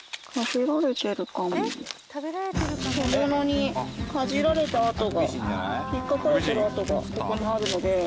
獣にかじられた痕が引っかかれてる痕がここにあるので。